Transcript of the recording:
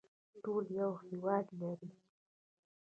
ټول یو هیواد لري